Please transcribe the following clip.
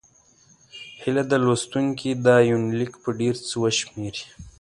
هيله ده لوستونکي دا یونلیک په ډېر څه وشمېري.